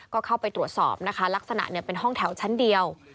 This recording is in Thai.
ก็เข้าไปตรวจสอบนะคะลักษณะเป็นห้องแถวชั้นเดียว